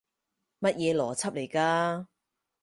乜嘢邏輯嚟㗎？